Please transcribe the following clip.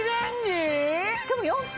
しかも４分！